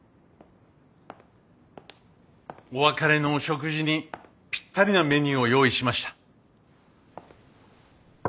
お別れのお食事にぴったりなメニューを用意しました。